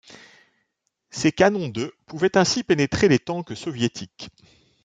Ses canons de pouvaient ainsi pénétrer les tanks soviétiques.